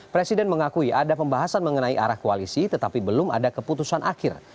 presiden mengakui ada pembahasan mengenai arah koalisi tetapi belum ada keputusan akhir